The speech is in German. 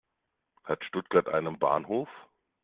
Hat Stuttgart einen Bahnhof?